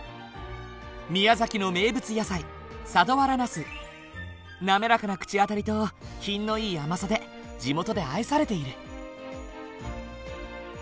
宮崎の名物野菜滑らかな口当たりと品のいい甘さで地元で愛されている。